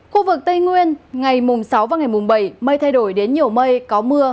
khu vực tây nguyên ngày sáu và ngày bảy mây thay đổi đến nhiều mây có mưa